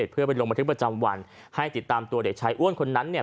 เพื่อไปลงบันทึกประจำวันให้ติดตามตัวเด็กชายอ้วนคนนั้นเนี่ย